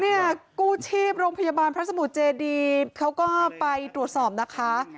กู้ชีพโรงพยาบาลพระสมุทรเจดีเขาก็ไปตรวจสอบนะคะ